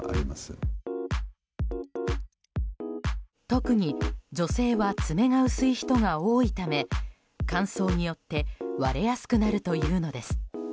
特に女性は爪が薄い人が多いため乾燥によって割れやすくなるというのです。